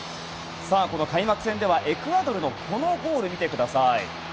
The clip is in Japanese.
この開幕戦ではエクアドルのこのゴールを見てください。